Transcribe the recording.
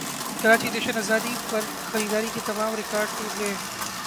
کراچی جشن زادی پرخریداری کے تمام ریکارڈٹوٹ گئے